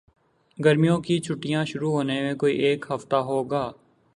گرمیوں کی چھٹیاں شروع ہونے میں کوئی ایک ہفتہ ہو گا